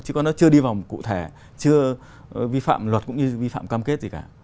chứ còn nó chưa đi vòng cụ thể chưa vi phạm luật cũng như vi phạm cam kết gì cả